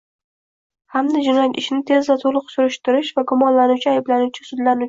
hamda jinoyat ishini tez va to‘liq surishtirish va gumonlanuvchi, ayblanuvchi, sudlanuvchi